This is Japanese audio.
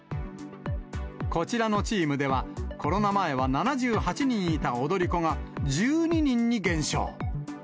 こちらのチームでは、コロナ前は７８人いた踊り子が１２人に減少。